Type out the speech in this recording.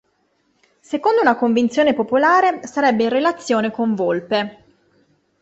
Secondo una convinzione popolare, sarebbe in relazione con volpe.